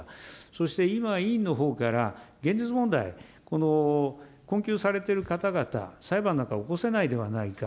そして今、委員のほうから現実問題、この困窮されている方々、裁判なんか起こせないではないか。